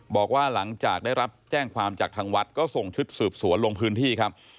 บอกว่าหลังจากได้รับแจ้งความจากทางวัดก็ส่งชุดสืบสวนลงพื้นที่ครับ